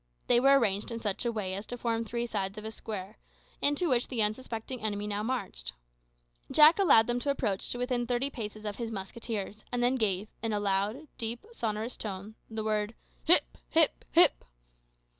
They were arranged in such a way as to form three sides of a square, into which the unsuspecting enemy now marched. Jack allowed them to approach to within thirty paces of his musketeers, and then gave, in a loud, deep, sonorous tone, the word "Hip! hip! hip!"